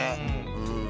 うん。